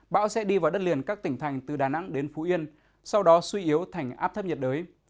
bão sẽ đi vào đất liền các tỉnh thành từ đà nẵng đến phú yên sau đó suy yếu thành áp thấp nhiệt đới